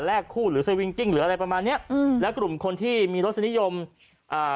คู่หรือสวิงกิ้งหรืออะไรประมาณเนี้ยอืมแล้วกลุ่มคนที่มีรสนิยมอ่า